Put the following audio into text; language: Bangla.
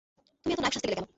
তুমি এতো নায়ক সাজতে গেলে কেন?